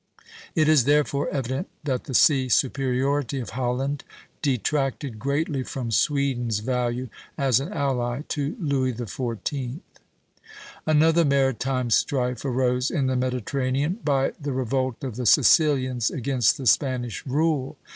It is therefore evident that the sea superiority of Holland detracted greatly from Sweden's value as an ally to Louis XIV. Another maritime strife arose in the Mediterranean by the revolt of the Sicilians against the Spanish rule.